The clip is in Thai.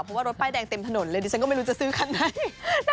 เพราะว่ารถป้ายแดงเต็มถนนเลยดิฉันก็ไม่รู้จะซื้อคันไหน